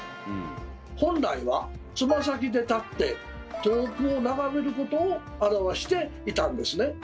本来はつま先で立って遠くを眺めることを表していたんですね。